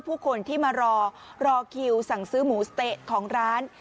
ผู้คนที่มารอรอคิวสั่งซื้อหมูสะเต๊ะของร้าน